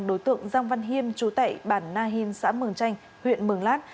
đối tượng giang văn hiêm chú tệ bản na hìn xã mường chanh huyện mường lát